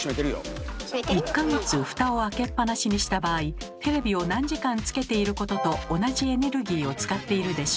１か月フタを開けっ放しにした場合テレビを何時間つけていることと同じエネルギーを使っているでしょう？